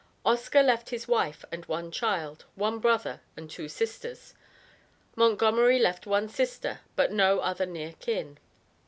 Oscar left his wife and one child, one brother and two sisters. Montgomery left one sister, but no other near kin.